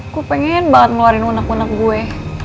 aku pengen banget ngeluarin unek unek gue